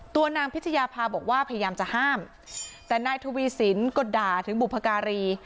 ตัวนางพิชยาภาบอกว่าพยายามจะห้ามแต่นายทวีสินก็ด่าถึงบุพการี